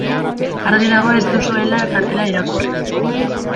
Argi dago ez duzuela kartela irakurri.